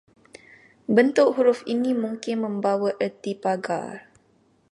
Bentuk huruf ini mungkin membawa erti pagar